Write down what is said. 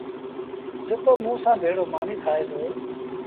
جيڪو موٚنٚ سآݩٚ ڀيڙو مآݩيٚ کآئي دو